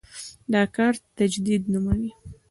دا کار تجدید نوموي.